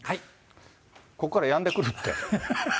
ここからやんでくるって。